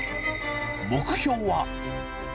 目標は？